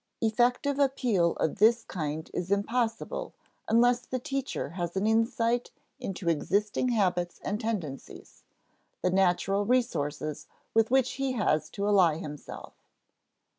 Effective appeal of this kind is impossible unless the teacher has an insight into existing habits and tendencies, the natural resources with which he has to ally himself.